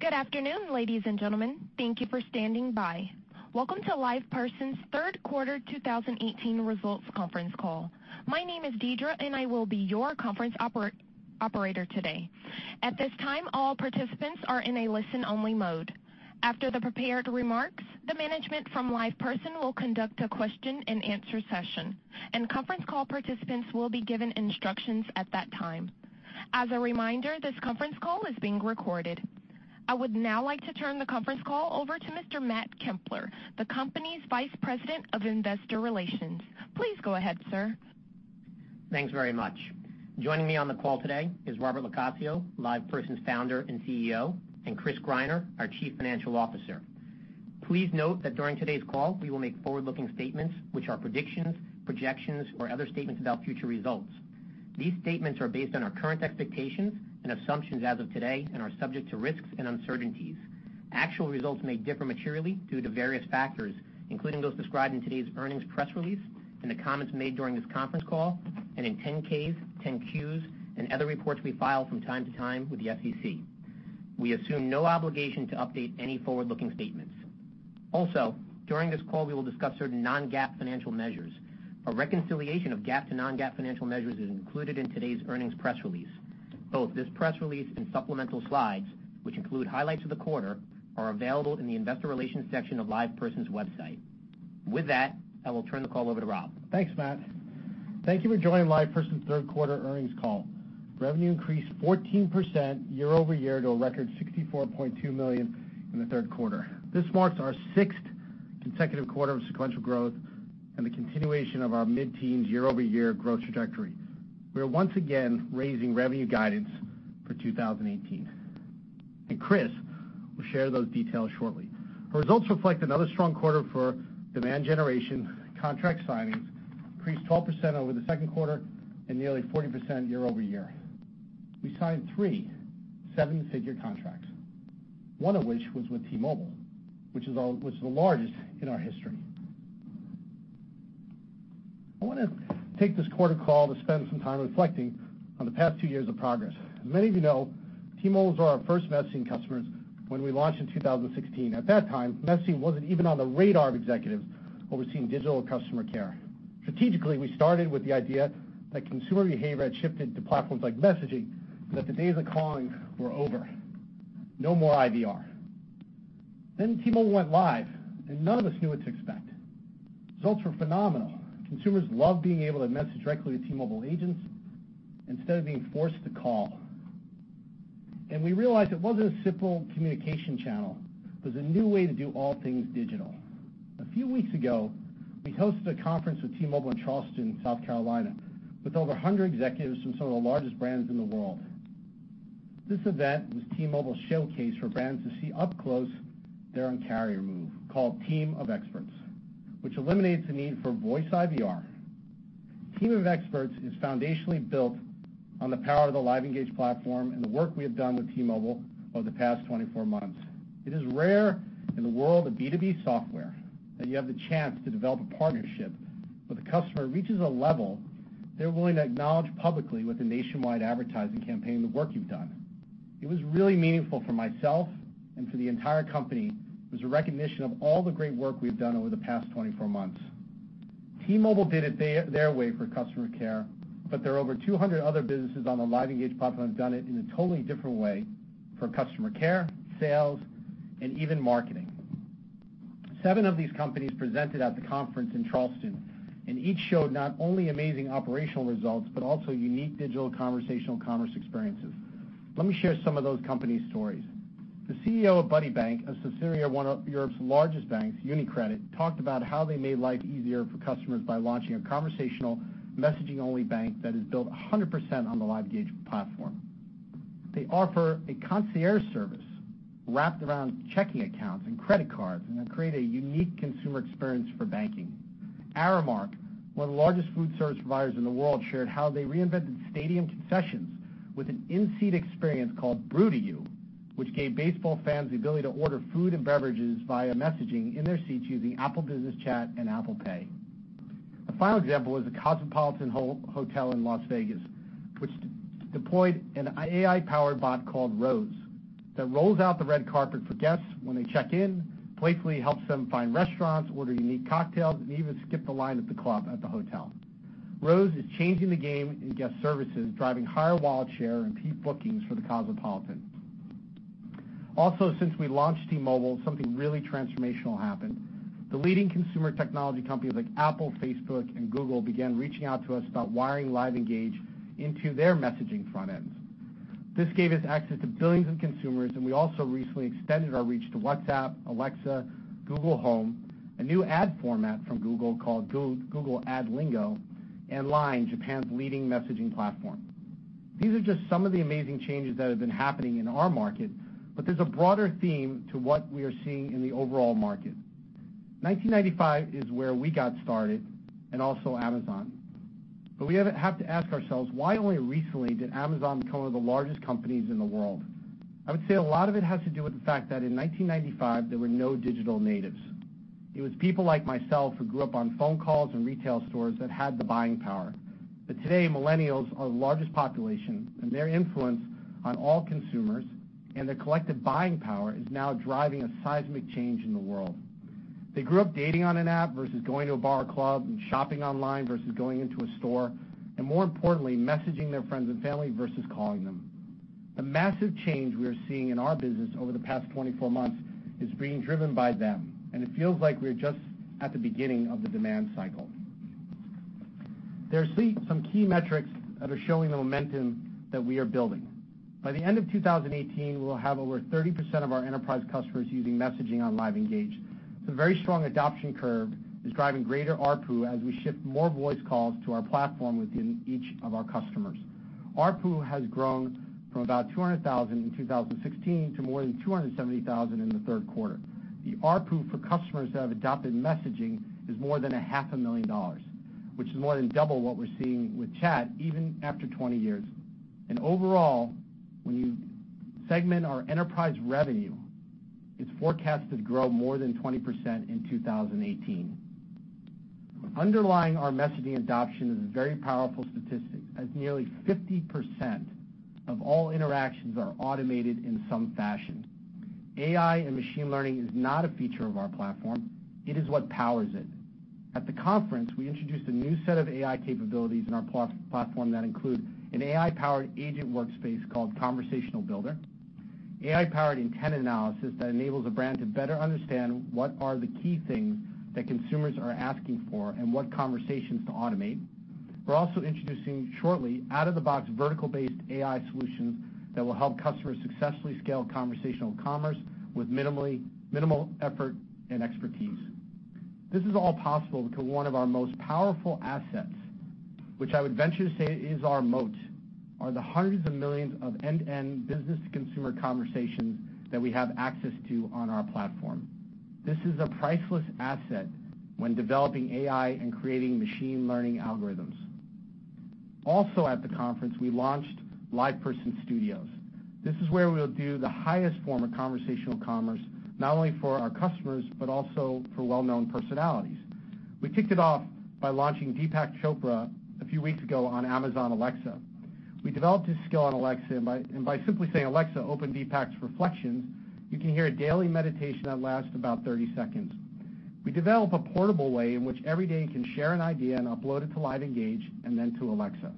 Good afternoon, ladies and gentlemen. Thank you for standing by. Welcome to LivePerson's third quarter 2018 results conference call. My name is Deidre, and I will be your conference operator today. At this time, all participants are in a listen-only mode. After the prepared remarks, the management from LivePerson will conduct a question-and-answer session, and conference call participants will be given instructions at that time. As a reminder, this conference call is being recorded. I would now like to turn the conference call over to Mr. Matt Kempler, the company's Vice President of Investor Relations. Please go ahead, sir. Thanks very much. Joining me on the call today is Robert LoCascio, LivePerson's Founder and CEO, and Chris Greiner, our Chief Financial Officer. Please note that during today's call, we will make forward-looking statements, which are predictions, projections, or other statements about future results. These statements are based on our current expectations and assumptions as of today and are subject to risks and uncertainties. Actual results may differ materially due to various factors, including those described in today's earnings press release and the comments made during this conference call and in 10-Ks, 10-Qs, and other reports we file from time to time with the SEC. We assume no obligation to update any forward-looking statements. Also, during this call, we will discuss certain non-GAAP financial measures. A reconciliation of GAAP to non-GAAP financial measures is included in today's earnings press release. Both this press release and supplemental slides, which include highlights of the quarter, are available in the investor relations section of LivePerson's website. With that, I will turn the call over to Rob. Thanks, Matt. Thank you for joining LivePerson's third quarter earnings call. Revenue increased 14% year-over-year to a record $64.2 million in the third quarter. This marks our sixth consecutive quarter of sequential growth and the continuation of our mid-teens year-over-year growth trajectory. We are once again raising revenue guidance for 2018, and Chris will share those details shortly. Our results reflect another strong quarter for demand generation contract signings, increased 12% over the second quarter and nearly 40% year-over-year. We signed three seven-figure contracts, one of which was with T-Mobile, which is the largest in our history. I want to take this quarter call to spend some time reflecting on the past two years of progress. As many of you know, T-Mobile was our first messaging customer when we launched in 2016. At that time, messaging wasn't even on the radar of executives overseeing digital customer care. Strategically, we started with the idea that consumer behavior had shifted to platforms like messaging and that the days of calling were over. No more IVR. T-Mobile went live, and none of us knew what to expect. Results were phenomenal. Consumers loved being able to message directly with T-Mobile agents instead of being forced to call. We realized it wasn't a simple communication channel. It was a new way to do all things digital. A few weeks ago, we hosted a conference with T-Mobile in Charleston, South Carolina, with over 100 executives from some of the largest brands in the world. This event was T-Mobile's showcase for brands to see up close their Un-carrier move, called Team of Experts, which eliminates the need for voice IVR. Team of Experts is foundationally built on the power of the LiveEngage platform and the work we have done with T-Mobile over the past 24 months. It is rare in the world of B2B software that you have the chance to develop a partnership where the customer reaches a level they're willing to acknowledge publicly with a nationwide advertising campaign, the work you've done. It was really meaningful for myself and for the entire company. It was a recognition of all the great work we've done over the past 24 months. T-Mobile did it their way for customer care, there are over 200 other businesses on the LiveEngage platform that have done it in a totally different way for customer care, sales, and even marketing. Seven of these companies presented at the conference in Charleston, each showed not only amazing operational results but also unique digital conversational commerce experiences. Let me share some of those companies' stories. The CEO of buddybank, a subsidiary of one of Europe's largest banks, UniCredit, talked about how they made life easier for customers by launching a conversational messaging-only bank that is built 100% on the LiveEngage platform. They offer a concierge service wrapped around checking accounts and credit cards, they create a unique consumer experience for banking. Aramark, one of the largest food service providers in the world, shared how they reinvented stadium concessions with an in-seat experience called Brew to You, which gave baseball fans the ability to order food and beverages via messaging in their seats using Apple Business Chat and Apple Pay. The final example is the Cosmopolitan Hotel in Las Vegas, which deployed an AI-powered bot called Rose that rolls out the red carpet for guests when they check in, playfully helps them find restaurants, order unique cocktails, and even skip the line at the club at the hotel. Rose is changing the game in guest services, driving higher wallet share and peak bookings for the Cosmopolitan. Also, since we launched T-Mobile, something really transformational happened. The leading consumer technology companies like Apple, Facebook, and Google began reaching out to us about wiring LiveEngage into their messaging front ends. This gave us access to billions of consumers, we also recently extended our reach to WhatsApp, Alexa, Google Home, a new ad format from Google called Google AdLingo, and LINE, Japan's leading messaging platform. These are just some of the amazing changes that have been happening in our market. There's a broader theme to what we are seeing in the overall market. 1995 is where we got started and also Amazon. We have to ask ourselves why only recently did Amazon become one of the largest companies in the world? I would say a lot of it has to do with the fact that in 1995, there were no digital natives. It was people like myself who grew up on phone calls and retail stores that had the buying power. Today, millennials are the largest population, and their influence on all consumers and their collective buying power is now driving a seismic change in the world. They grew up dating on an app versus going to a bar or club. Shopping online versus going into a store, and more importantly, messaging their friends and family versus calling them. The massive change we are seeing in our business over the past 24 months is being driven by them, and it feels like we're just at the beginning of the demand cycle. There are some key metrics that are showing the momentum that we are building. By the end of 2018, we will have over 30% of our enterprise customers using messaging on LiveEngage. It's a very strong adoption curve is driving greater ARPU as we ship more voice calls to our platform within each of our customers. ARPU has grown from about $200,000 in 2016 to more than $270,000 in the third quarter. The ARPU for customers that have adopted messaging is more than a half a million dollars, which is more than double what we're seeing with chat even after 20 years. Overall, when you segment our enterprise revenue, it's forecasted to grow more than 20% in 2018. Underlying our messaging adoption is a very powerful statistic as nearly 50% of all interactions are automated in some fashion. AI and machine learning is not a feature of our platform, it is what powers it. At the conference, we introduced a new set of AI capabilities in our platform that include an AI-powered agent workspace called Conversation Builder, AI-powered intent analysis that enables a brand to better understand what are the key things that consumers are asking for and what conversations to automate. We're also introducing shortly out-of-the-box, vertical-based AI solutions that will help customers successfully scale conversational commerce with minimal effort and expertise. This is all possible because one of our most powerful assets, which I would venture to say is our moat, are the hundreds of millions of end-to-end business to consumer conversations that we have access to on our platform. This is a priceless asset when developing AI and creating machine learning algorithms. Also at the conference, we launched LivePerson Studios. This is where we'll do the highest form of conversational commerce, not only for our customers, but also for well-known personalities. We kicked it off by launching Deepak Chopra a few weeks ago on Amazon Alexa. We developed his skill on Alexa, and by simply saying, Alexa, open Deepak's Reflections, you can hear a daily meditation that lasts about 30 seconds. We develop a portable way in which every day you can share an idea and upload it to LiveEngage and then to Alexa.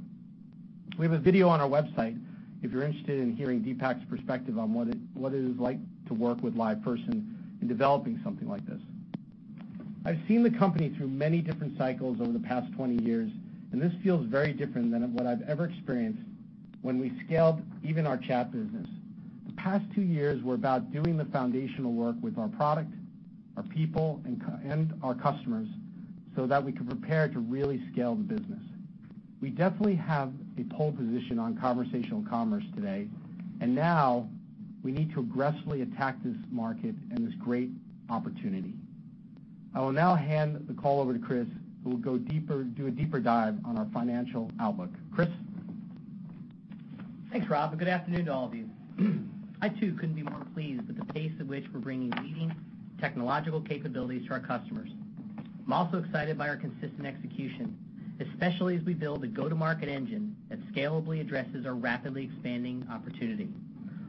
We have a video on our website if you're interested in hearing Deepak's perspective on what it is like to work with LivePerson in developing something like this. I've seen the company through many different cycles over the past 20 years, and this feels very different than what I've ever experienced when we scaled even our chat business. The past two years were about doing the foundational work with our product, our people, and our customers so that we could prepare to really scale the business. We definitely have a pole position on conversational commerce today. Now we need to aggressively attack this market and this great opportunity. I will now hand the call over to Chris, who will do a deeper dive on our financial outlook. Chris? Thanks, Rob, and good afternoon to all of you. I too couldn't be more pleased with the pace at which we're bringing leading technological capabilities to our customers. I'm also excited by our consistent execution, especially as we build a go-to-market engine that scalably addresses our rapidly expanding opportunity.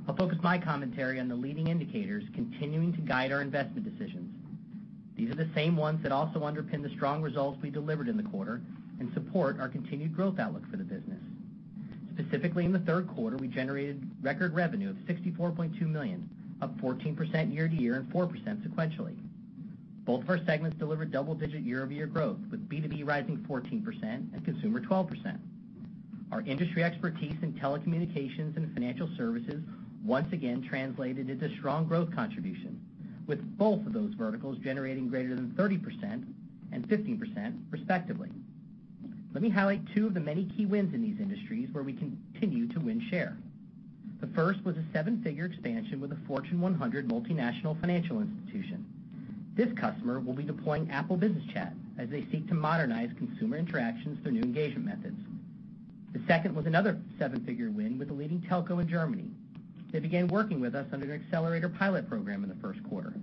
I'll focus my commentary on the leading indicators continuing to guide our investment decisions. These are the same ones that also underpin the strong results we delivered in the quarter and support our continued growth outlook for the business. Specifically, in the third quarter, we generated record revenue of $64.2 million, up 14% year-over-year and 4% sequentially. Both of our segments delivered double-digit year-over-year growth, with B2B rising 14% and consumer 12%. Our industry expertise in telecommunications and financial services once again translated into strong growth contribution, with both of those verticals generating greater than 30% and 15% respectively. Let me highlight two of the many key wins in these industries where we continue to win share. The first was a seven-figure expansion with a Fortune 100 multinational financial institution. This customer will be deploying Apple Business Chat as they seek to modernize consumer interactions through new engagement methods. The second was another seven-figure win with a leading telco in Germany. They began working with us under an accelerator pilot program in the first quarter.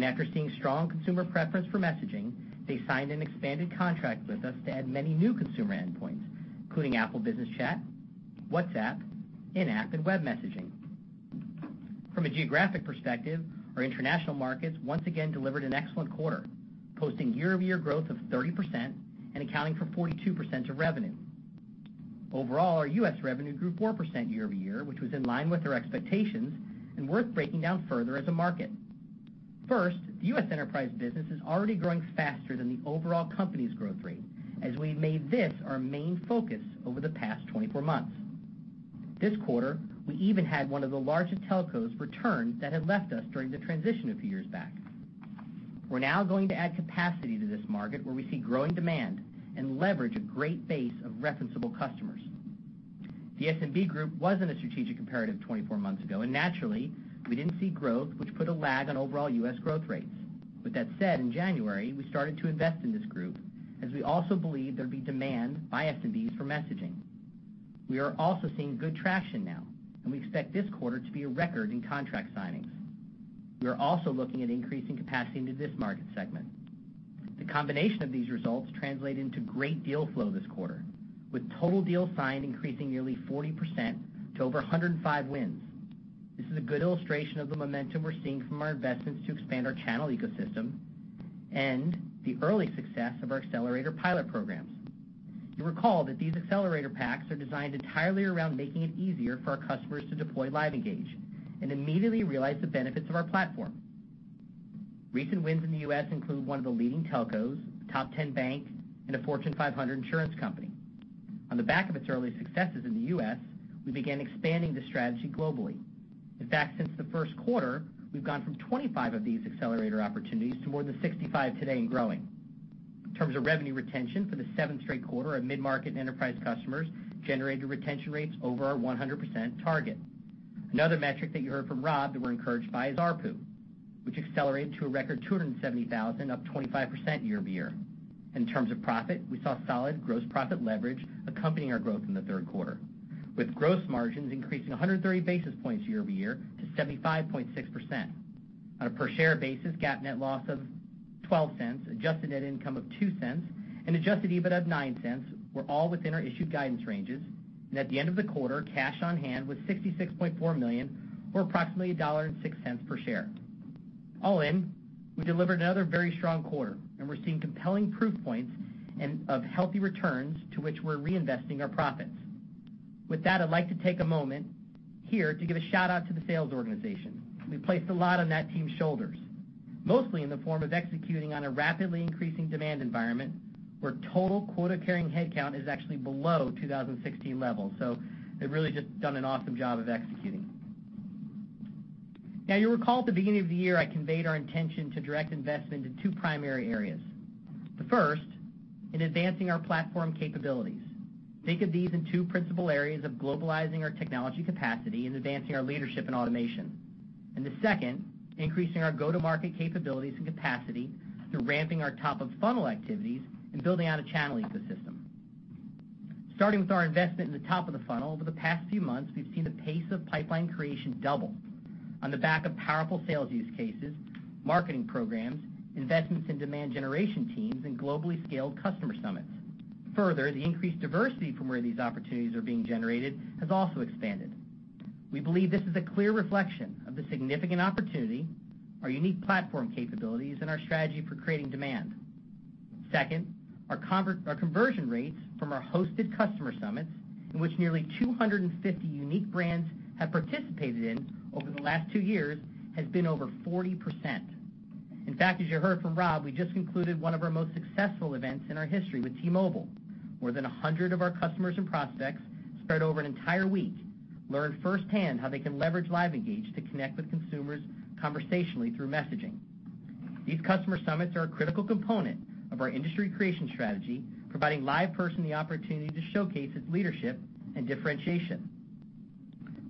After seeing strong consumer preference for messaging, they signed an expanded contract with us to add many new consumer endpoints, including Apple Business Chat, WhatsApp, in-app and web messaging. From a geographic perspective, our international markets once again delivered an excellent quarter, posting year-over-year growth of 30% and accounting for 42% of revenue. Overall, our U.S. revenue grew 4% year-over-year, which was in line with our expectations and worth breaking down further as a market. First, the U.S. enterprise business is already growing faster than the overall company's growth rate, as we made this our main focus over the past 24 months. This quarter, we even had one of the largest telcos return that had left us during the transition a few years back. We're now going to add capacity to this market where we see growing demand and leverage a great base of referenceable customers. The SMB group wasn't a strategic imperative 24 months ago, and naturally, we didn't see growth, which put a lag on overall U.S. growth rates. With that said, in January, we started to invest in this group as we also believe there'd be demand by SMBs for messaging. We are also seeing good traction now, and we expect this quarter to be a record in contract signings. We are also looking at increasing capacity into this market segment. The combination of these results translate into great deal flow this quarter, with total deals signed increasing nearly 40% to over 105 wins. This is a good illustration of the momentum we're seeing from our investments to expand our channel ecosystem and the early success of our accelerator pilot programs. You'll recall that these accelerator packs are designed entirely around making it easier for our customers to deploy LiveEngage and immediately realize the benefits of our platform. Recent wins in the U.S. include one of the leading telcos, top 10 bank, and a Fortune 500 insurance company. On the back of its early successes in the U.S., we began expanding this strategy globally. In fact, since the first quarter, we've gone from 25 of these accelerator opportunities to more than 65 today and growing. In terms of revenue retention, for the seventh straight quarter, our mid-market and enterprise customers generated retention rates over our 100% target. Another metric that you heard from Rob that we're encouraged by is ARPU, which accelerated to a record $270,000, up 25% year-over-year. In terms of profit, we saw solid gross profit leverage accompanying our growth in the third quarter, with gross margins increasing 130 basis points year-over-year to 75.6%. On a per-share basis, GAAP net loss of $0.12, adjusted net income of $0.02, and adjusted EBIT of $0.09 were all within our issued guidance ranges. At the end of the quarter, cash on hand was $66.4 million, or approximately $1.06 per share. All in, we delivered another very strong quarter, and we're seeing compelling proof points of healthy returns to which we're reinvesting our profits. With that, I'd like to take a moment here to give a shout-out to the sales organization. We placed a lot on that team's shoulders, mostly in the form of executing on a rapidly increasing demand environment where total quota-carrying headcount is actually below 2016 levels. They've really just done an awesome job of executing. You'll recall at the beginning of the year, I conveyed our intention to direct investment into two primary areas. The first, in advancing our platform capabilities. Think of these in two principal areas of globalizing our technology capacity and advancing our leadership in automation. The second, increasing our go-to-market capabilities and capacity through ramping our top-of-funnel activities and building out a channel ecosystem. Starting with our investment in the top of the funnel, over the past few months, we've seen the pace of pipeline creation double on the back of powerful sales use cases, marketing programs, investments in demand generation teams, and globally scaled customer summits. Further, the increased diversity from where these opportunities are being generated has also expanded. We believe this is a clear reflection of the significant opportunity, our unique platform capabilities, and our strategy for creating demand. Second, our conversion rates from our hosted customer summits, in which nearly 250 unique brands have participated in over the last two years, has been over 40%. In fact, as you heard from Rob, we just concluded one of our most successful events in our history with T-Mobile. More than 100 of our customers and prospects spread over an entire week learned firsthand how they can leverage LiveEngage to connect with consumers conversationally through messaging. These customer summits are a critical component of our industry creation strategy, providing LivePerson the opportunity to showcase its leadership and differentiation.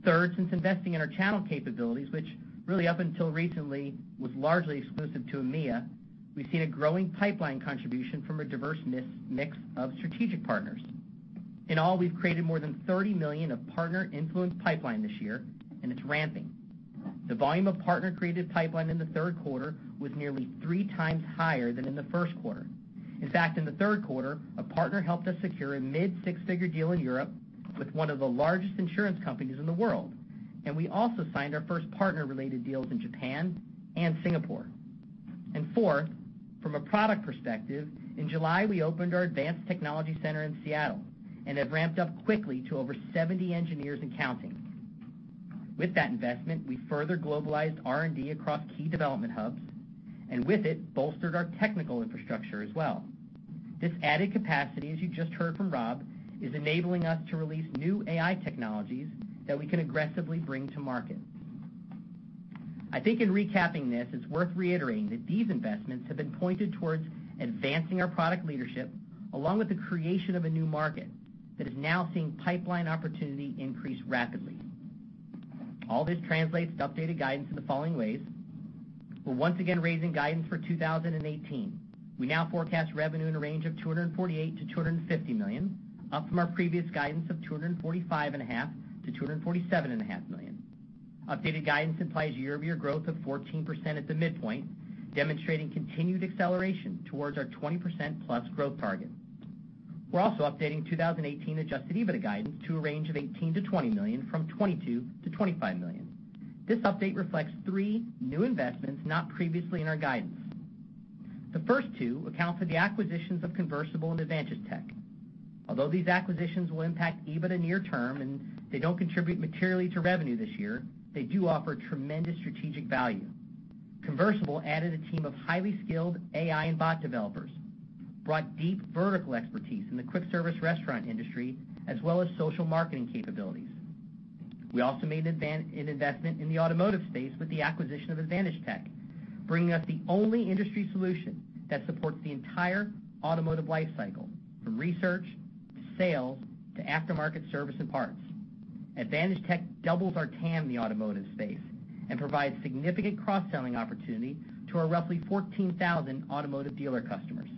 Third, since investing in our channel capabilities, which really up until recently was largely exclusive to EMEA, we've seen a growing pipeline contribution from a diverse mix of strategic partners. In all, we've created more than $30 million of partner-influenced pipeline this year, and it's ramping. The volume of partner-created pipeline in the third quarter was nearly three times higher than in the first quarter. In fact, in the third quarter, a partner helped us secure a mid six-figure deal in Europe with one of the largest insurance companies in the world. We also signed our first partner-related deals in Japan and Singapore. Fourth, from a product perspective, in July, we opened our advanced technology center in Seattle and have ramped up quickly to over 70 engineers and counting. With that investment, we further globalized R&D across key development hubs, and with it, bolstered our technical infrastructure as well. This added capacity, as you just heard from Rob, is enabling us to release new AI technologies that we can aggressively bring to market. I think in recapping this, it's worth reiterating that these investments have been pointed towards advancing our product leadership, along with the creation of a new market that is now seeing pipeline opportunity increase rapidly. All this translates to updated guidance in the following ways. We're once again raising guidance for 2018. We now forecast revenue in a range of $248 million-$250 million, up from our previous guidance of $245.5 million-$247.5 million. Updated guidance implies year-over-year growth of 14% at the midpoint, demonstrating continued acceleration towards our 20%+ growth target. We're also updating 2018 adjusted EBITDA guidance to a range of $18 million-$20 million from $22 million-$25 million. This update reflects three new investments not previously in our guidance. The first two account for the acquisitions of Conversable and AdvantageTec. Although these acquisitions will impact EBITDA near term and they don't contribute materially to revenue this year, they do offer tremendous strategic value. Conversable added a team of highly skilled AI and bot developers, brought deep vertical expertise in the quick service restaurant industry, as well as social marketing capabilities. We also made an investment in the automotive space with the acquisition of AdvantageTec, bringing us the only industry solution that supports the entire automotive life cycle, from research to sale to aftermarket service and parts. AdvantageTec doubles our TAM in the automotive space and provides significant cross-selling opportunity to our roughly 14,000 automotive dealer customers.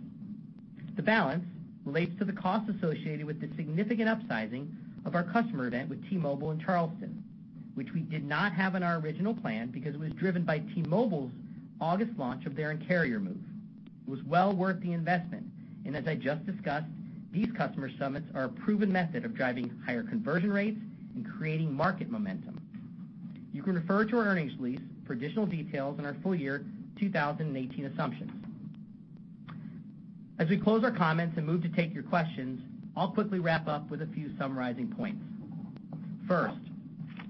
The balance relates to the cost associated with the significant upsizing of our customer event with T-Mobile in Charleston, which we did not have in our original plan because it was driven by T-Mobile's August launch of their Un-carrier move. It was well worth the investment. As I just discussed, these customer summits are a proven method of driving higher conversion rates and creating market momentum. You can refer to our earnings release for additional details on our full year 2018 assumptions. As we close our comments and move to take your questions, I'll quickly wrap up with a few summarizing points. First,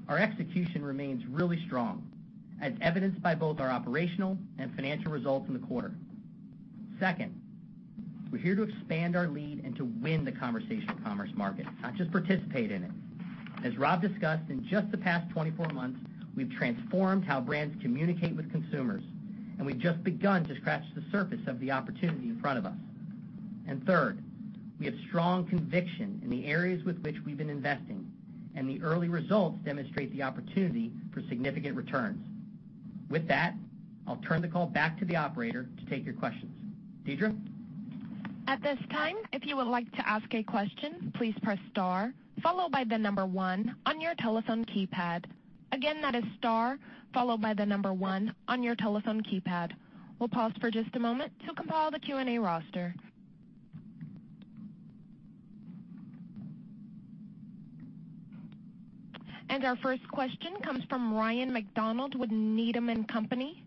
our execution remains really strong, as evidenced by both our operational and financial results in the quarter. Second, we're here to expand our lead and to win the conversational commerce market, not just participate in it. As Rob discussed, in just the past 24 months, we've transformed how brands communicate with consumers, and we've just begun to scratch the surface of the opportunity in front of us. Third, we have strong conviction in the areas with which we've been investing, and the early results demonstrate the opportunity for significant returns. With that, I'll turn the call back to the operator to take your questions. Deidre? At this time, if you would like to ask a question, please press star followed by the number one on your telephone keypad. Again, that is star followed by the number one on your telephone keypad. We'll pause for just a moment to compile the Q&A roster. Our first question comes from Ryan MacDonald with Needham & Company.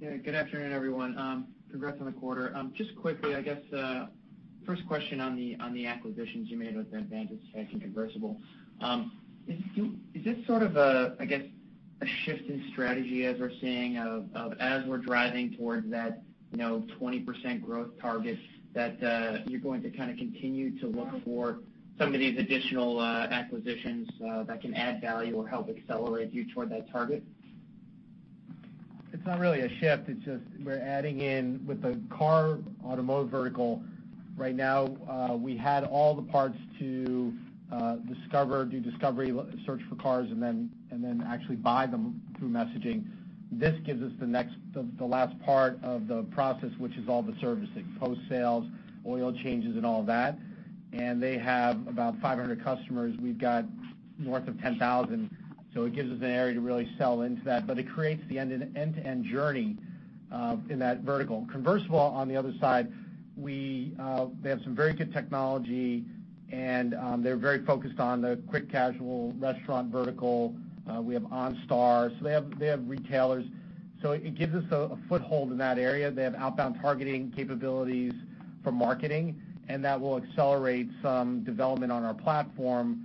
Good afternoon, everyone. Congrats on the quarter. Just quickly, I guess first question on the acquisitions you made with AdvantageTec and Conversable. Is this sort of a, I guess, a shift in strategy as we're seeing, as we're driving towards that 20% growth target, that you're going to continue to look for some of these additional acquisitions that can add value or help accelerate you toward that target? It's not really a shift. It's just we're adding in with the car automotive vertical right now, we had all the parts to discover, do discovery, search for cars, and then actually buy them through messaging. This gives us the last part of the process, which is all the servicing, post-sales, oil changes, and all that. They have about 500 customers. We've got north of 10,000. It gives us an area to really sell into that, but it creates the end-to-end journey in that vertical. Conversable, on the other side, they have some very good technology, and they're very focused on the quick casual restaurant vertical. We have OnStar, so they have retailers. It gives us a foothold in that area. They have outbound targeting capabilities for marketing, and that will accelerate some development on our platform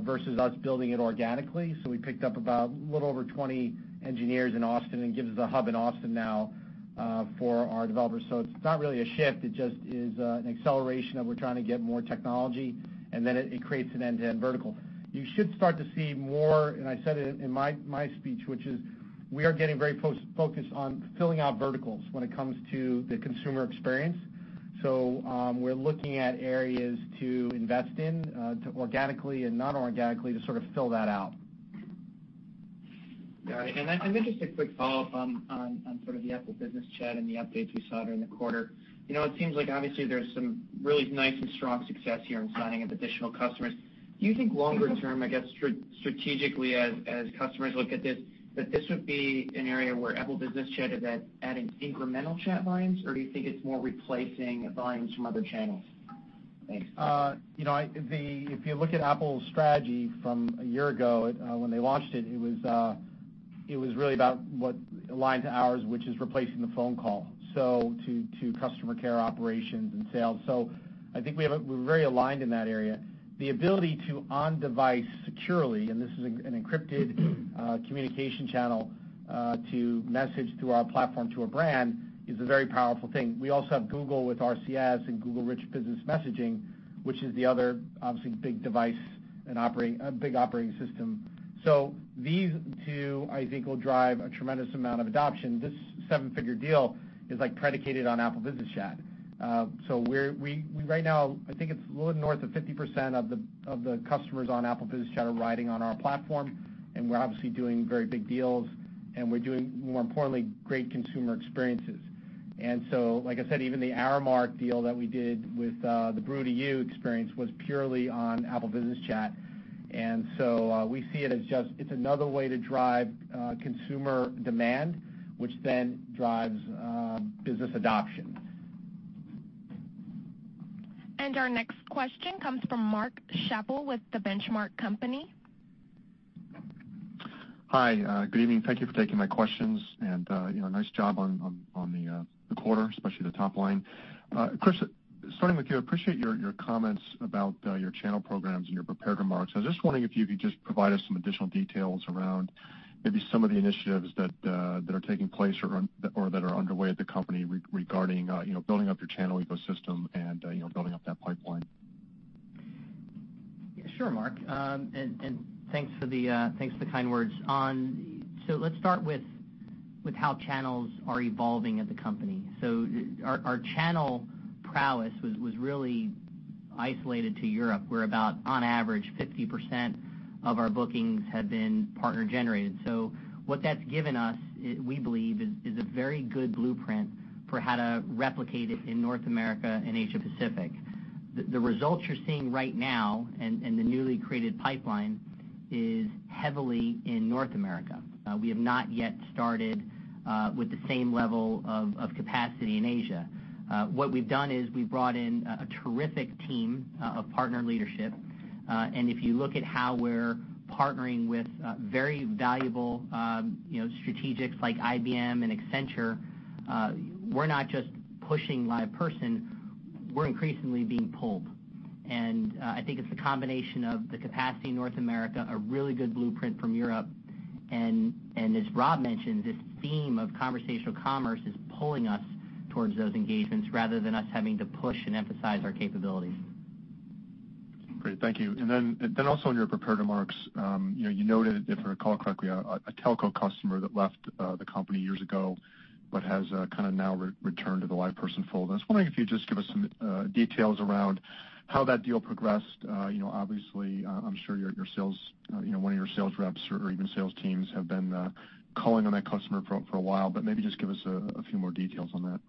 versus us building it organically. We picked up about a little over 20 engineers in Austin and gives us a hub in Austin now for our developers. It's not really a shift. It just is an acceleration of we're trying to get more technology, it creates an end-to-end vertical. You should start to see more, I said it in my speech, which is we are getting very focused on filling out verticals when it comes to the consumer experience. We're looking at areas to invest in, to organically and not organically to sort of fill that out. Got it. Just a quick follow-up on sort of the Apple Business Chat and the updates we saw during the quarter. It seems like obviously there's some really nice and strong success here in signing up additional customers. Do you think longer term, I guess strategically as customers look at this, that this would be an area where Apple Business Chat is at adding incremental chat lines, or do you think it's more replacing volumes from other channels? Thanks. If you look at Apple's strategy from a year ago when they launched it was really about what aligns ours, which is replacing the phone call, so to customer care operations and sales. I think we're very aligned in that area. The ability to on-device securely, and this is an encrypted communication channel to message to our platform to a brand, is a very powerful thing. We also have Google with RCS and Google Rich Business Messaging, which is the other, obviously big device and a big operating system. These two, I think will drive a tremendous amount of adoption. This seven-figure deal is predicated on Apple Business Chat. Right now, I think it's a little north of 50% of the customers on Apple Business Chat are riding on our platform, and we're obviously doing very big deals, and we're doing, more importantly, great consumer experiences. Like I said, even the Aramark deal that we did with the Brew to You experience was purely on Apple Business Chat. We see it as just, it's another way to drive consumer demand, which then drives business adoption. Our next question comes from Mark Schappel with The Benchmark Company. Hi, good evening. Thank you for taking my questions and nice job on the quarter, especially the top line. Chris, starting with you, appreciate your comments about your channel programs in your prepared remarks. I was just wondering if you could just provide us some additional details around maybe some of the initiatives that are taking place or that are underway at the company regarding building up your channel ecosystem and building up that pipeline. Sure, Mark and thanks for the kind words. Let's start with how channels are evolving at the company. Our channel prowess was really isolated to Europe, where about on average, 50% of our bookings have been partner-generated. What that's given us, we believe, is a very good blueprint for how to replicate it in North America and Asia Pacific. The results you're seeing right now and the newly created pipeline is heavily in North America. We have not yet started with the same level of capacity in Asia. What we've done is we've brought in a terrific team of partner leadership. If you look at how we're partnering with very valuable strategics like IBM and Accenture, we're not just pushing LivePerson, we're increasingly being pulled. I think it's the combination of the capacity in North America, a really good blueprint from Europe, and as Rob mentioned, this theme of conversational commerce is pulling us towards those engagements rather than us having to push and emphasize our capabilities. Great, thank you. Also in your prepared remarks, you noted, if I recall correctly, a telco customer that left the company years ago, but has now returned to the LivePerson fold. I was wondering if you'd just give us some details around how that deal progressed. Obviously, I'm sure one of your sales reps or even sales teams have been calling on that customer for a while, but maybe just give us a few more details on that.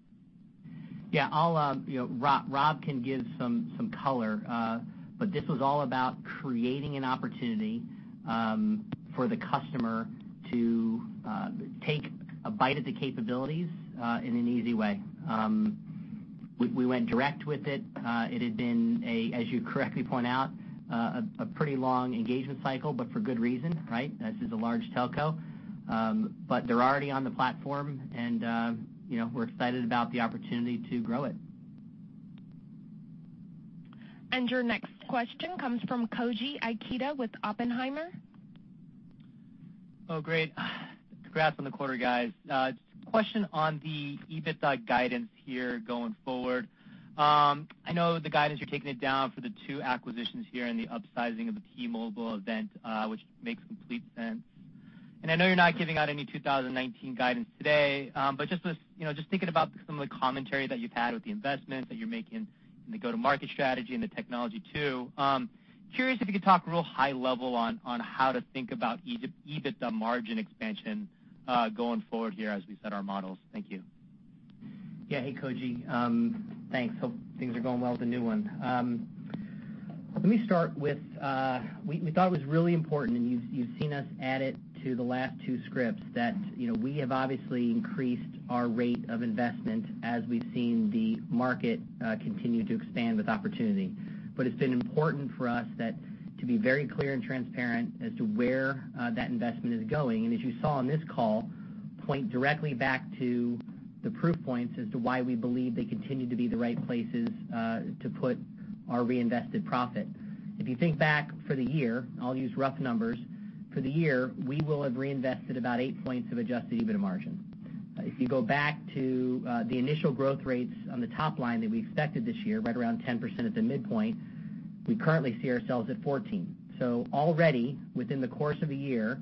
Yeah. Rob can give some color, but this was all about creating an opportunity for the customer to take a bite at the capabilities in an easy way. We went direct with it. It had been a, as you correctly point out, a pretty long engagement cycle, but for good reason, right? This is a large telco. They're already on the platform, and we're excited about the opportunity to grow it. Your next question comes from Koji Ikeda with Oppenheimer. Oh, great. Congrats on the quarter, guys. Just a question on the EBITDA guidance here going forward. I know the guidance, you're taking it down for the two acquisitions here and the upsizing of the T-Mobile event, which makes complete sense. I know you're not giving out any 2019 guidance today. Just thinking about some of the commentary that you've had with the investments that you're making and the go-to-market strategy and the technology too, curious if you could talk real high level on how to think about EBITDA margin expansion going forward here as we set our models. Thank you. Yeah. Hey, Koji. Thanks. Hope things are going well at the new one. We thought it was really important, and you've seen us add it to the last two scripts that we have obviously increased our rate of investment as we've seen the market continue to expand with opportunity. It's been important for us to be very clear and transparent as to where that investment is going. As you saw on this call, point directly back to the proof points as to why we believe they continue to be the right places to put our reinvested profit. If you think back for the year, I'll use rough numbers. For the year, we will have reinvested about eight points of adjusted EBITDA margin. If you go back to the initial growth rates on the top line that we expected this year, right around 10% at the midpoint, we currently see ourselves at 14%. Already within the course of a year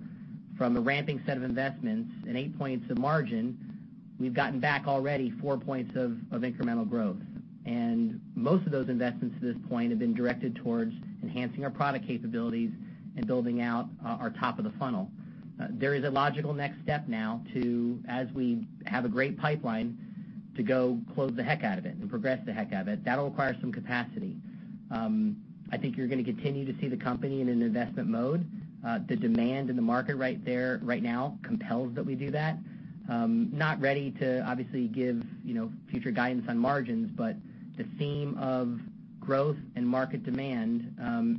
from a ramping set of investments and 8 points of margin, we have gotten back already 4 points of incremental growth. Most of those investments to this point have been directed towards enhancing our product capabilities and building out our top of the funnel. There is a logical next step now to, as we have a great pipeline, to go close the heck out of it and progress the heck out of it. That will require some capacity. I think you are going to continue to see the company in an investment mode. The demand in the market right now compels that we do that. Not ready to obviously give future guidance on margins, the theme of growth and market demand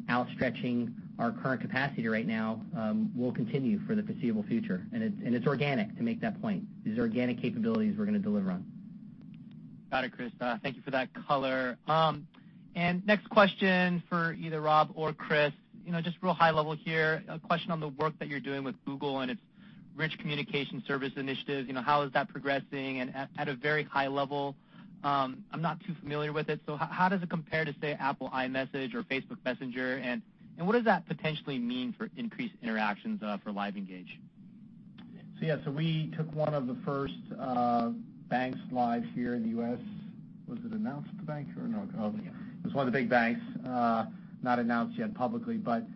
outstretching our current capacity right now will continue for the foreseeable future. It is organic, to make that point. These are organic capabilities we are going to deliver on. Got it, Chris. Thank you for that color. Next question for either Rob or Chris, just real high level here, a question on the work that you are doing with Google and its Rich Communication Services initiatives, how is that progressing? At a very high level, I am not too familiar with it, how does it compare to, say, Apple iMessage or Facebook Messenger, and what does that potentially mean for increased interactions for LiveEngage? Yeah, we took one of the first banks live here in the U.S. Was it announced, the bank, or no? Yeah. It was one of the big banks. Not announced yet publicly, but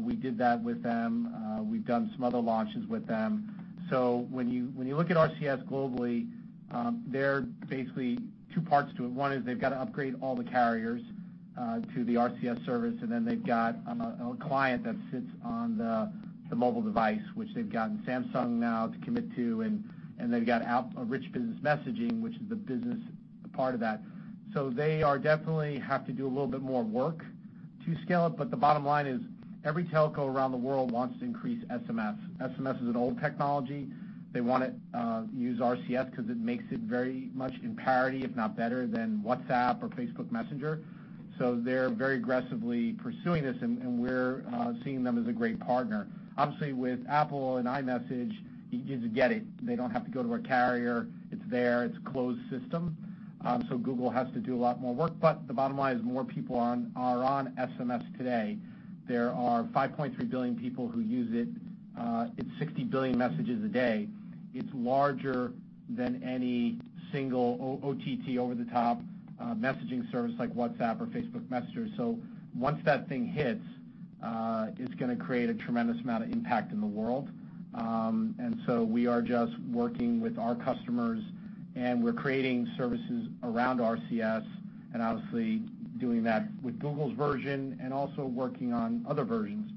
we did that with them. We've done some other launches with them. When you look at RCS globally, there are basically two parts to it. One is they've got to upgrade all the carriers to the RCS service, and then they've got a client that sits on the mobile device, which they've gotten Samsung now to commit to, and they've got Rich Business Messaging, which is the business part of that. They definitely have to do a little bit more work to scale it. The bottom line is, every telco around the world wants to increase SMS. SMS is an old technology. They want to use RCS because it makes it very much in parity, if not better than WhatsApp or Facebook Messenger. They're very aggressively pursuing this, and we're seeing them as a great partner. Obviously, with Apple and iMessage, you just get it. They don't have to go to a carrier. It's there. It's a closed system. Google has to do a lot more work, but the bottom line is more people are on SMS today. There are 5.3 billion people who use it. It's 60 billion messages a day. It's larger than any single OTT, over-the-top, messaging service like WhatsApp or Facebook Messenger. Once that thing hits, it's going to create a tremendous amount of impact in the world. We are just working with our customers, and we're creating services around RCS, and obviously doing that with Google's version and also working on other versions.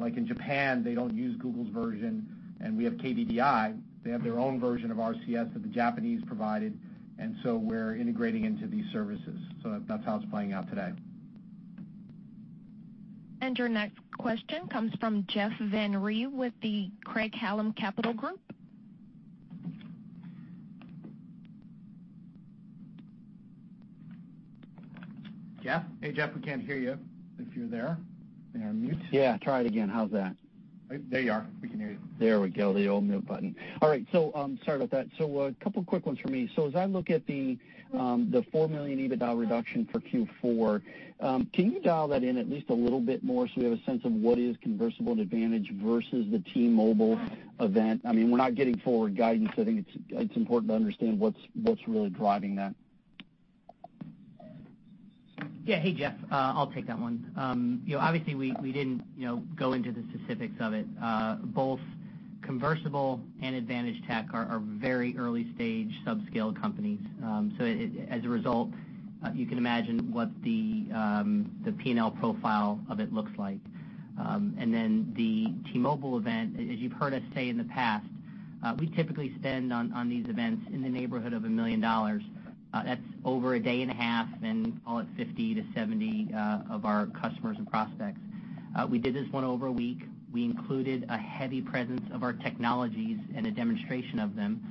Like in Japan, they don't use Google's version, and we have KDDI. They have their own version of RCS that the Japanese provided, and we're integrating into these services. That's how it's playing out today. Your next question comes from Jeff Van Rhee with the Craig-Hallum Capital Group. Jeff? Hey, Jeff, we can't hear you. If you're there. You're on mute. Yeah, try it again. How's that? There you are. We can hear you. There we go, the old mute button. All right, sorry about that. A couple of quick ones from me. As I look at the $4 million EBITDA reduction for Q4, can you dial that in at least a little bit more so we have a sense of what is Conversable and AdvantageTec versus the T-Mobile event? We're not getting forward guidance. I think it's important to understand what's really driving that. Hey, Jeff. I'll take that one. Obviously, we didn't go into the specifics of it. Both Conversable and AdvantageTec are very early-stage sub-scale companies. As a result, you can imagine what the P&L profile of it looks like. Then the T-Mobile event, as you've heard us say in the past, we typically spend on these events in the neighborhood of $1 million. That's over a day and a half, and call it 50-70 of our customers and prospects. We did this one over a week. We included a heavy presence of our technologies and a demonstration of them,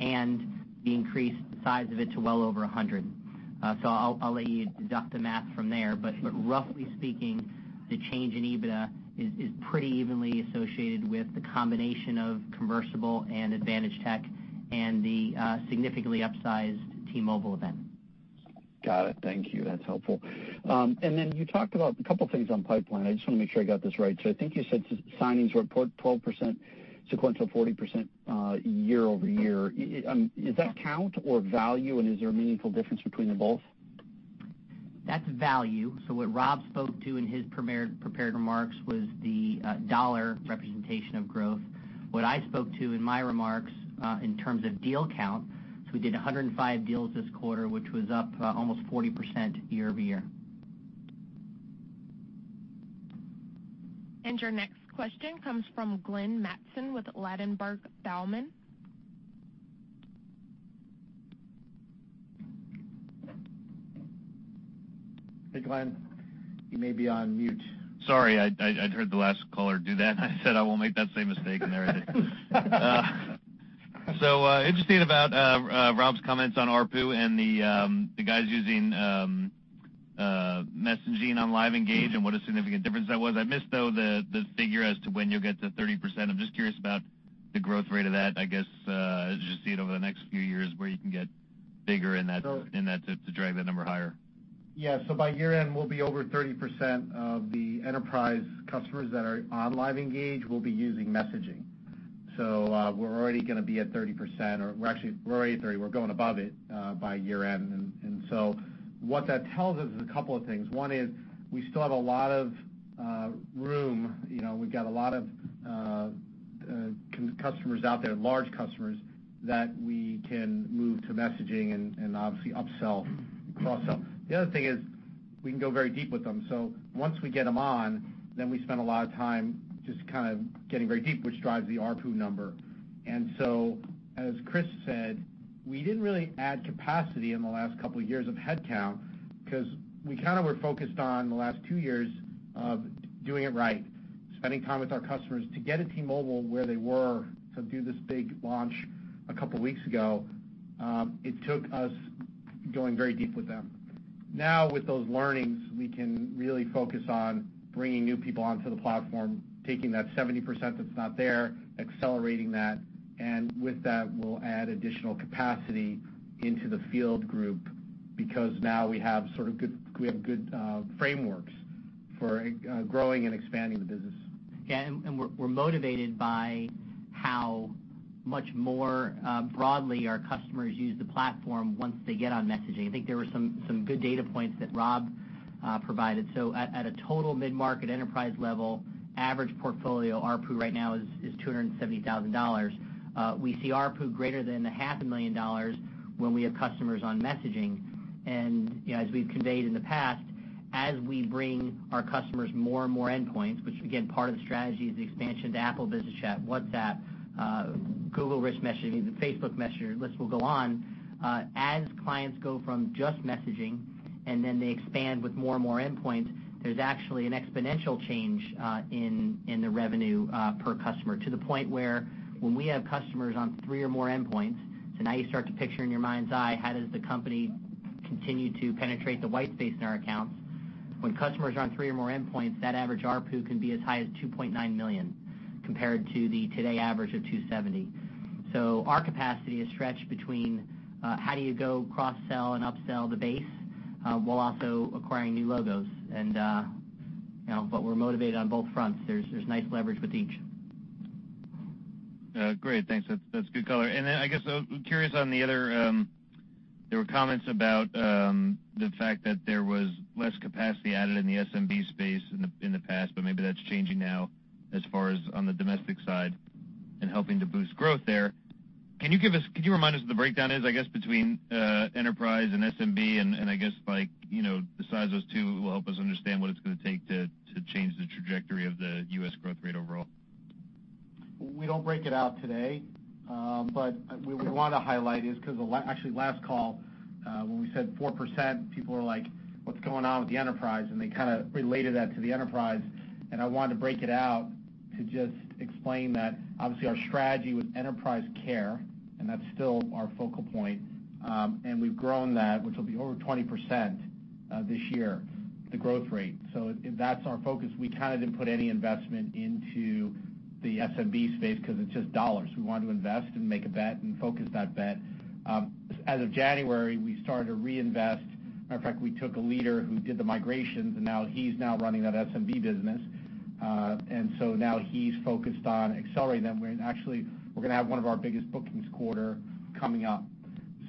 and we increased the size of it to well over 100. I'll let you deduct the math from there. Roughly speaking, the change in EBITDA is pretty evenly associated with the combination of Conversable and AdvantageTec and the significantly upsized T-Mobile event. Got it. Thank you. That's helpful. You talked about a couple things on pipeline. I just want to make sure I got this right. I think you said signings were up 12%, sequential 40% year-over-year. Is that count or value, and is there a meaningful difference between them both? That's value. What Rob spoke to in his prepared remarks was the dollar representation of growth. What I spoke to in my remarks, in terms of deal count, we did 105 deals this quarter, which was up almost 40% year-over-year. Your next question comes from Glenn Mattson with Ladenburg Thalmann. Hey, Glenn. You may be on mute. Sorry, I'd heard the last caller do that, and I said I won't make that same mistake, and there it is. Interesting about Rob's comments on ARPU and the guys using messaging on LiveEngage and what a significant difference that was. I missed, though, the figure as to when you'll get to 30%. I'm just curious about the growth rate of that, I guess, as you see it over the next few years, where you can get bigger in that to drive that number higher. Yeah. By year-end, we'll be over 30% of the enterprise customers that are on LiveEngage will be using messaging. We're already going to be at 30%, or we're already at 30%. We're going above it by year-end. What that tells us is a couple of things. One is we still have a lot of room. We've got a lot of customers out there, large customers, that we can move to messaging and obviously upsell, cross-sell. The other thing is we can go very deep with them. Once we get them on, then we spend a lot of time just getting very deep, which drives the ARPU number. As Chris said, we didn't really add capacity in the last couple of years of headcount because we were focused on the last two years of doing it right, spending time with our customers. To get T-Mobile where they were to do this big launch a couple of weeks ago, it took us going very deep with them. Now with those learnings, we can really focus on bringing new people onto the platform, taking that 70% that's not there, accelerating that, and with that, we'll add additional capacity into the field group because now we have good frameworks for growing and expanding the business. We're motivated by how much more broadly our customers use the platform once they get on messaging. I think there were some good data points that Rob provided. At a total mid-market enterprise level, average portfolio ARPU right now is $270,000. We see ARPU greater than a half a million dollars when we have customers on messaging. As we've conveyed in the past, as we bring our customers more and more endpoints, which again, part of the strategy is the expansion to Apple Business Chat, WhatsApp, Google RCS Business Messaging, the Facebook Messenger list will go on. As clients go from just messaging, they expand with more and more endpoints, there's actually an exponential change in the revenue per customer to the point where when we have customers on three or more endpoints, now you start to picture in your mind's eye how does the company continue to penetrate the white space in our accounts? When customers are on three or more endpoints, that average ARPU can be as high as $2.9 million compared to the today average of $270,000. Our capacity is stretched between how do you go cross-sell and upsell the base while also acquiring new logos. We're motivated on both fronts. There's nice leverage with each. Great. Thanks. That's good color. I'm curious on the other, there were comments about the fact that there was less capacity added in the SMB space in the past, maybe that's changing now as far as on the domestic side and helping to boost growth there. Can you remind us what the breakdown is, I guess, between enterprise and SMB and, I guess, besides those two, will help us understand what it's going to take to change the trajectory of the U.S. growth rate overall? We don't break it out today. What we want to highlight is, because actually last call, when we said 4%, people were like, what's going on with the enterprise? They kind of related that to the enterprise. I wanted to break it out to just explain that obviously our strategy was enterprise care, and that's still our focal point. We've grown that, which will be over 20% this year, the growth rate. That's our focus. We kind of didn't put any investment into the SMB space because it's just dollars. We wanted to invest and make a bet and focus that bet. As of January, we started to reinvest. Matter of fact, we took a leader who did the migrations, and now he's now running that SMB business. He's focused on accelerating them. We're going to have one of our biggest bookings quarter coming up.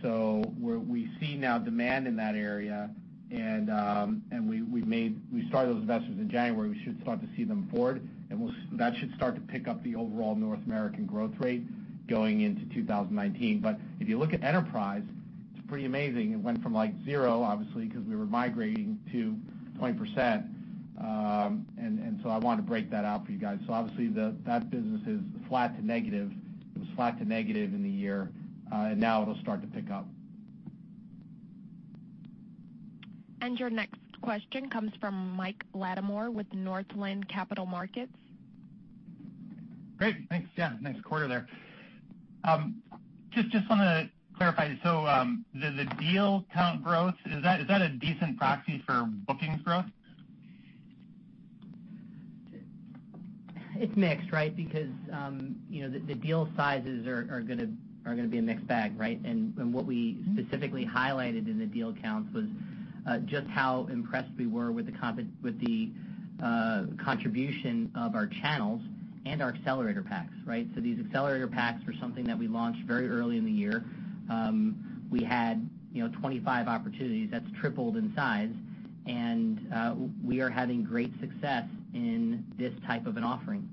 We see now demand in that area, and we started those investments in January. We should start to see them forward, and that should start to pick up the overall North American growth rate going into 2019. If you look at enterprise, it's pretty amazing. It went from zero, obviously, because we were migrating to 20%. I wanted to break that out for you guys. Obviously that business is flat to negative. It was flat to negative in the year. Now it'll start to pick up. Your next question comes from Mike Latimore with Northland Capital Markets. Great. Thanks. Yeah, nice quarter there. Just want to clarify, the deal count growth, is that a decent proxy for bookings growth? It's mixed, right? Because the deal sizes are going to be a mixed bag. What we specifically highlighted in the deal counts was just how impressed we were with the contribution of our channels and our accelerator packs. These accelerator packs were something that we launched very early in the year. We had 25 opportunities. That's tripled in size. We are having great success in this type of an offering.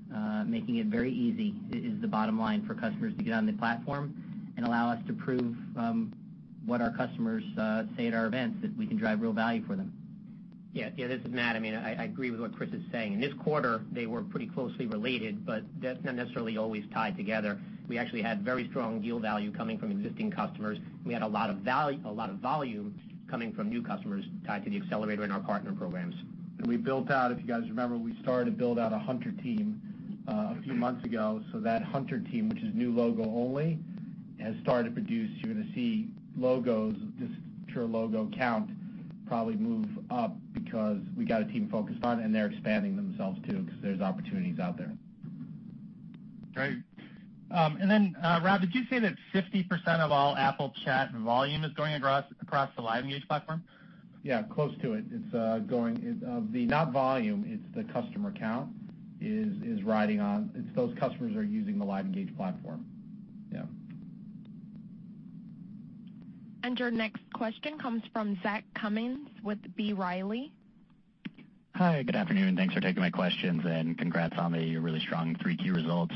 Making it very easy is the bottom line for customers to get on the platform and allow us to prove what our customers say at our events, that we can drive real value for them. This is Matt. I agree with what Chris is saying. In this quarter, they were pretty closely related, that's not necessarily always tied together. We actually had very strong deal value coming from existing customers. We had a lot of volume coming from new customers tied to the accelerator in our partner programs. We built out, if you guys remember, we started to build out a hunter team a few months ago. That hunter team, which is new logo only, has started to produce. You're going to see logos, just pure logo count, probably move up because we got a team focused on it, and they're expanding themselves too, because there's opportunities out there. Great. Rob, did you say that 50% of all Apple chat volume is going across the LiveEngage platform? Close to it. It's not volume, it's the customer count. It's those customers are using the LiveEngage platform. Yeah. Your next question comes from Zach Cummins with B. Riley. Hi, good afternoon. Thanks for taking my questions and congrats on the really strong Q3 results.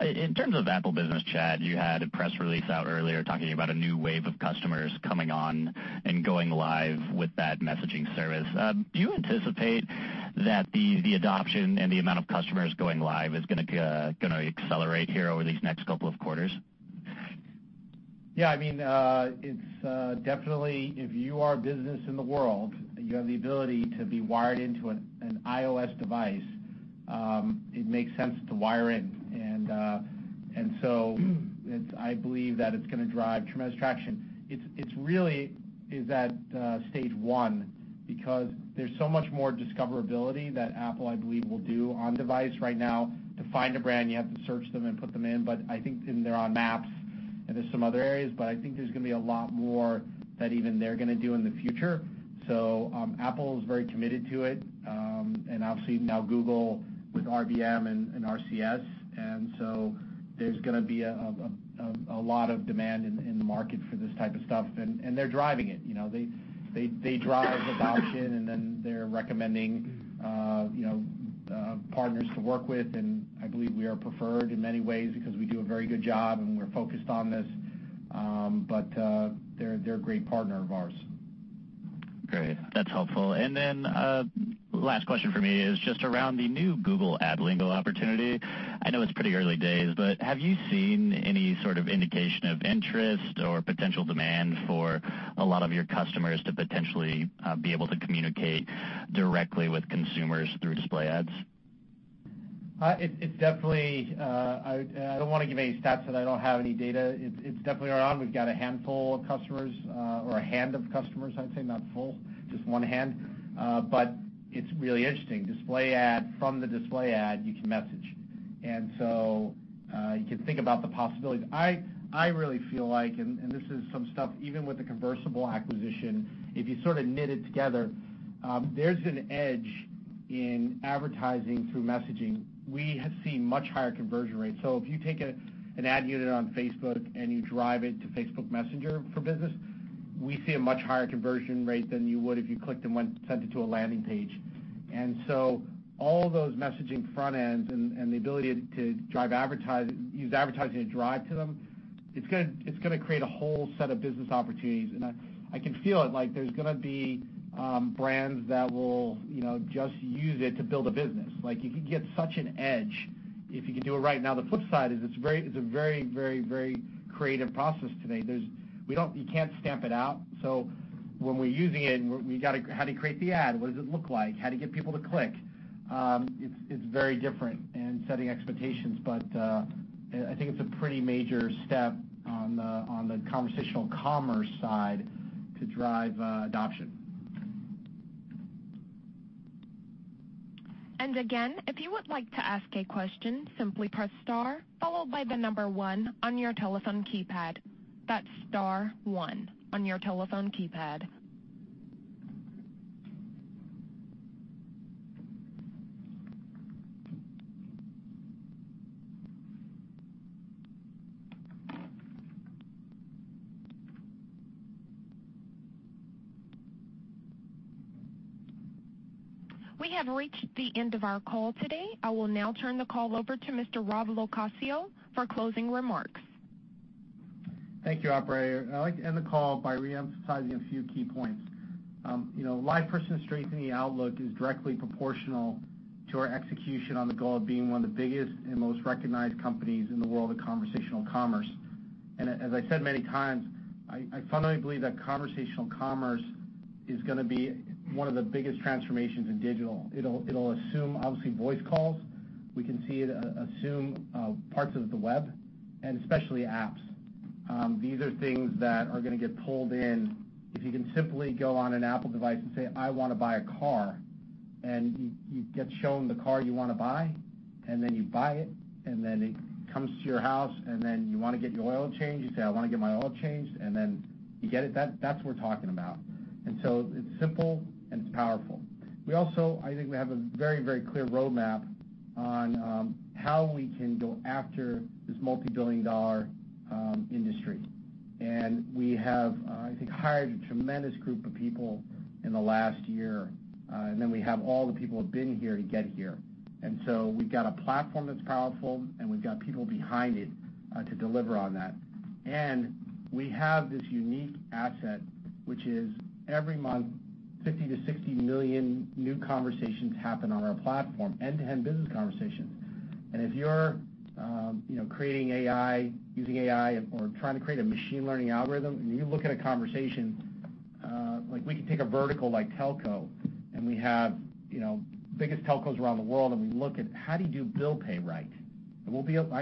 In terms of Apple Business Chat, you had a press release out earlier talking about a new wave of customers coming on and going live with that messaging service. Do you anticipate that the adoption and the amount of customers going live is going to accelerate here over these next couple of quarters? Yeah, it's definitely, if you are a business in the world, you have the ability to be wired into an iOS device, it makes sense to wire in. I believe that it's going to drive tremendous traction. It's really is at stage one because there's so much more discoverability that Apple, I believe, will do on device right now. To find a brand, you have to search them and put them in. I think they're on Maps and there's some other areas, I think there's going to be a lot more that even they're going to do in the future. Apple is very committed to it. Obviously now Google with RBM and RCS, there's going to be a lot of demand in the market for this type of stuff. They're driving it. They drive adoption, they're recommending partners to work with. I believe we are preferred in many ways because we do a very good job and we're focused on this. They're a great partner of ours. Great. That's helpful. Last question for me is just around the new Google AdLingo opportunity. I know it's pretty early days, but have you seen any sort of indication of interest or potential demand for a lot of your customers to potentially be able to communicate directly with consumers through display ads? I don't want to give any stats that I don't have any data. It's definitely around. We've got a handful of customers, or a hand of customers, I'd say. Not full, just one hand. It's really interesting. From the display ad, you can message. You can think about the possibilities. I really feel like, and this is some stuff, even with the Conversable acquisition, if you sort of knit it together, there's an edge in advertising through messaging. We have seen much higher conversion rates. If you take an ad unit on Facebook and you drive it to Facebook Messenger for business, we see a much higher conversion rate than you would if you clicked and sent it to a landing page. All those messaging front ends and the ability to use advertising to drive to them, it's going to create a whole set of business opportunities. I can feel it, there's going to be brands that will just use it to build a business. You could get such an edge if you could do it right. Now, the flip side is it's a very creative process today. You can't stamp it out. When we're using it, how do you create the ad? What does it look like? How do you get people to click? It's very different in setting expectations. I think it's a pretty major step on the conversational commerce side to drive adoption. Again, if you would like to ask a question, simply press star, followed by the number one on your telephone keypad. That's star one on your telephone keypad. We have reached the end of our call today. I will now turn the call over to Mr. Rob LoCascio for closing remarks. Thank you, operator. I'd like to end the call by re-emphasizing a few key points. LivePerson's strengthening outlook is directly proportional to our execution on the goal of being one of the biggest and most recognized companies in the world of conversational commerce. As I said many times, I fundamentally believe that conversational commerce is going to be one of the biggest transformations in digital. It'll assume, obviously, voice calls. We can see it assume parts of the web and especially apps. These are things that are going to get pulled in. If you can simply go on an Apple device and say, I want to buy a car, and you get shown the car you want to buy, then you buy it, then it comes to your house, then you want to get your oil changed, you say, I want to get my oil changed, then you get it. That's what we're talking about. It's simple and it's powerful. I think we have a very clear roadmap on how we can go after this multi-billion dollar industry. We have I think hired a tremendous group of people in the last year. We have all the people who have been here to get here. We've got a platform that's powerful, and we've got people behind it to deliver on that. We have this unique asset, which is every month, 50 million-60 million new conversations happen on our platform, end-to-end business conversations. If you're creating AI, using AI, or trying to create a machine learning algorithm, and you look at a conversation, like we could take a vertical like telco, and we have biggest telcos around the world, and we look at how do you do bill pay right? I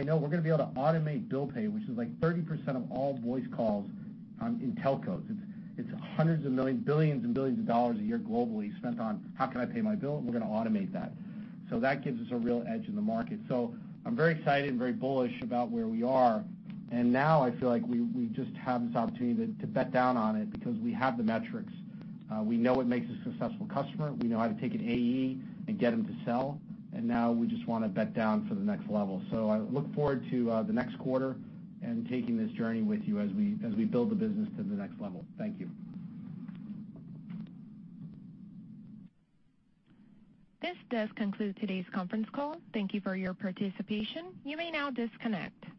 know we're going to be able to automate bill pay, which is like 30% of all voice calls in telcos. It's hundreds of millions, billions and billions of dollars a year globally spent on how can I pay my bill? We're going to automate that. That gives us a real edge in the market. I'm very excited and very bullish about where we are. Now I feel like we just have this opportunity to bet down on it because we have the metrics. We know what makes a successful customer. We know how to take an AE and get them to sell, and now we just want to bet down for the next level. I look forward to the next quarter and taking this journey with you as we build the business to the next level. Thank you. This does conclude today's conference call. Thank you for your participation. You may now disconnect.